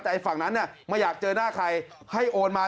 แต่ไอ้ฝั่งนั้นเนี่ยไม่อยากเจอหน้าใครให้โอนมา